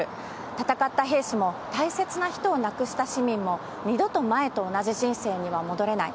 戦った兵士も大切な人を亡くした市民も、二度と前と同じ人生には戻れない。